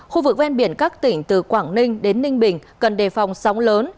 khu vực ven biển các tỉnh từ quảng ninh đến ninh bình cần đề phòng sóng lớn